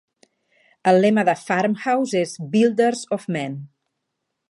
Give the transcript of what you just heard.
El lema de FarmHouse és "Builders of Men".